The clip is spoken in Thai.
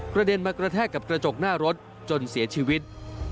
เด็นมากระแทกกับกระจกหน้ารถจนเสียชีวิต